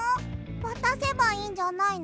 わたせばいいんじゃないの？